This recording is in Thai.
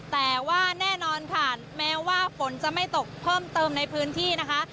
แต่ว่าแน่นอนค่ะแม้ว่าฝนจะไม่ตกเพิ่มเติมในพื้นที่นะคะ